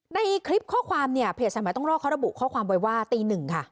ในคลิปข้อความเนี่ยเพจสายใหม่ต้องรอดเขาระบุข้อความไว้ว่าตีหนึ่งค่ะ